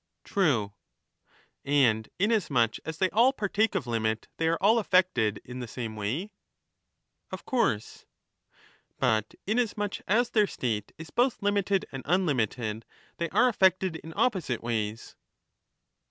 True. And inasmuch as they all partake of limit, they are all affected in the same way. Of course. But inasmuch as their state is both limited and unlimited, they are affected in opposite ways.